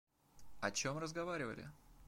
О чем разговаривали?